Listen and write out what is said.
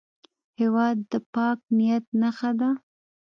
هېواد د پاک نیت نښه ده.